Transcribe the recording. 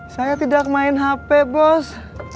saya tidak main hp bus